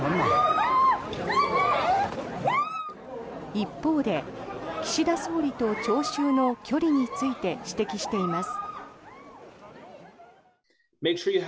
一方で岸田総理と聴衆の距離について指摘しています。